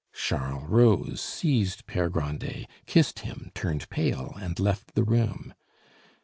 Charles rose, seized Pere Grandet, kissed him, turned pale, and left the room.